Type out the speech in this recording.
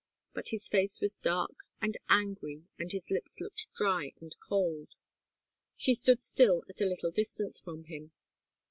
But his face was dark and angry and his lips looked dry and cold. She stood still at a little distance from him.